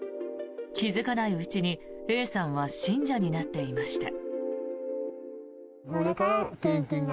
気付かないうちにＡさんは信者になっていました。